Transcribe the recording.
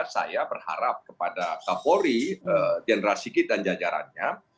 saya berharap kepada kapolri generasi git dan jajarannya